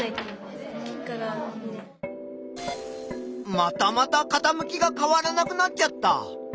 またまたかたむきが変わらなくなっちゃった。